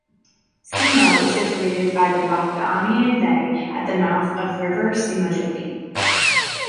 Simo is situated by the Bothnian Bay, at the mouth of river Simojoki.